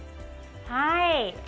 はい。